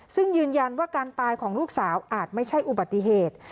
ซึ่งยืนยันว่าการตายของลูกสาวอาจไม่ใช่อุบัติเหตุ